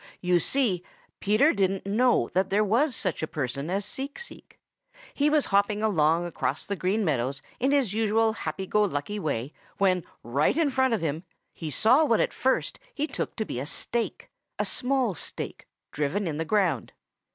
You see, Peter didn't know that there was such a person as Seek Seek. He was hopping along across the Green Meadows in his usual happy go lucky way when, right in front of him, he saw what at first he took to be a stake, a small stake, driven in the ground.